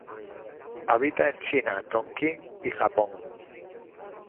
Habita en China, Tonkin y Japón.